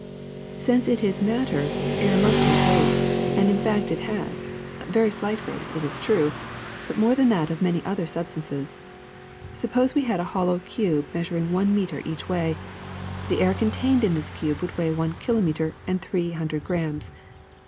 Since it is matter, air must have weight ; and in fact it has — very slight weight, it is true, but more than that of many other substances. Suppose we had a hollow cube measuring one meter each way. The air contained in this cube would weigh one kilo meter and three hundred grams.